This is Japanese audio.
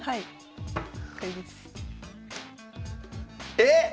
えっ